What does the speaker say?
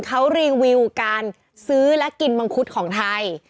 เขารีวิวการซื้อและกินมังคุดของไทย